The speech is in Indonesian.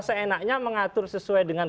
seenaknya mengatur sesuai dengan